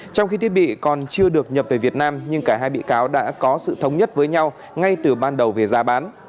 trong khi thiết bị còn chưa được nhập về việt nam nhưng cả hai bị cáo đã có sự thống nhất với nhau ngay từ ban đầu về giá bán